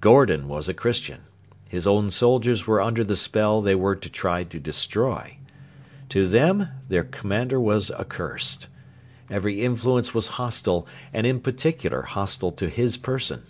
Gordon was a Christian. His own soldiers were under the spell they were to try to destroy. To them their commander was accursed. Every influence was hostile, and in particular hostile to his person.